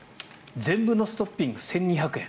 全部乗せトッピング１２００円。